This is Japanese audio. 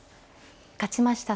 勝ちました